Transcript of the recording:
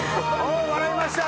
笑いました。